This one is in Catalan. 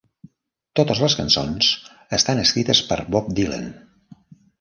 Totes les cançons estan escrites per Bob Dylan.